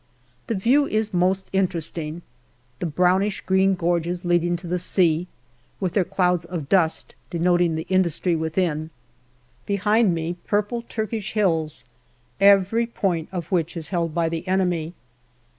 The view is most interesting, the brownish green gorges leading to the sea with their clouds of dust denoting the industry within. Behind me, purple Turkish hills, every point of which is held by the enemy.